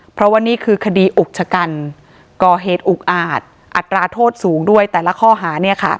เพราะว่านี่คือคดีอุกชะกันก่อเหตุอุกอาจอัตราโทษสูงด้วยแต่ละข้อหา